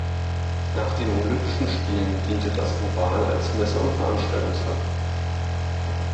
Nach den Olympischen Spielen diente das Oval als Messe- und Veranstaltungshalle.